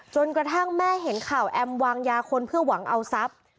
กระทั่งแม่เห็นข่าวแอมวางยาคนเพื่อหวังเอาทรัพย์